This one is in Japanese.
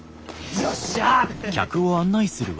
よっしゃ！